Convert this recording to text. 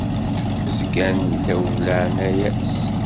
Zgan ddaw leɛnaya-s.